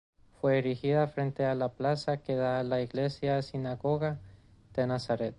Fue erigida frente a la plaza que da a la "iglesia sinagoga" de Nazaret.